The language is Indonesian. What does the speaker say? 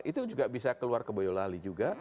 itu juga bisa keluar ke boyolali juga